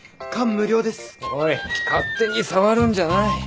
おい勝手に触るんじゃない。